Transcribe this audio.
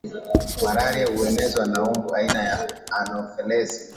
malaria huenezwa na mbu aina ya anofelesi